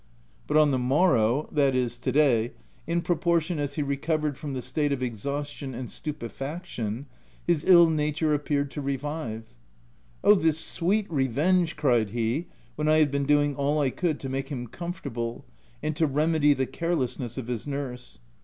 But on the morrow — tfhat is, to day — in 208 THE TENANT proportion as he recovered from the state of exhaustion and stupefaction — his ill nature ap peared to revive. * Oh, this sweet revenge !" cried he, when I had been doing all I could to make him com fortable and to remedy the carelessness of his nurse.